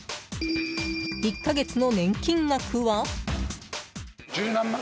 １か月の年金額は？